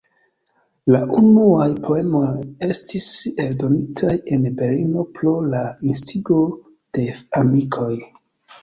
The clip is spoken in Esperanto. La unuaj poemoj estis eldonitaj en Berlino pro la instigo de amikoj.